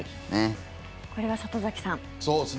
これは里崎さん。